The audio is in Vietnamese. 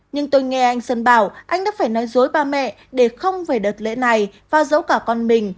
nhưng tôi nghe anh sơn bảo anh đã phải nói dối ba mẹ để không về đợt lễ này và giấu cả con mình